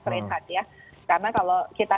reinhardt ya karena kalau kita